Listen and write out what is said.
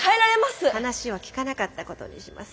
話は聞かなかったことにします。